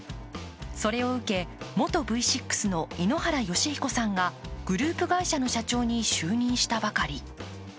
それを受け、元Ｖ６の井ノ原快彦さんがグループ会社の社長に就任したばかり。